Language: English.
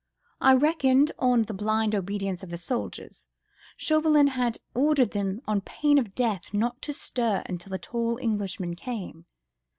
I reckoned on the blind obedience of the soldiers. Chauvelin had ordered them on pain of death not to stir until the tall Englishman came.